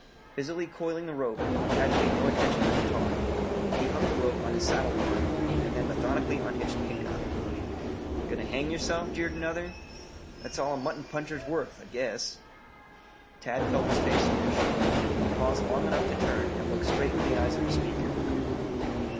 Busily coiling the rope, Tad paid no attention to the taunt; he hung the rope on his saddle horn and then methodically unhitched Pinkeye. "Going to hang yerself?" jeered another. "That's all a mutton puncher's worth. I guess." Tad felt his face flush. He paused long enough to turn and look straight into the eyes of the speaker.